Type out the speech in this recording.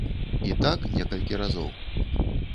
І так некалькі разоў.